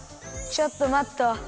ちょっと待っと。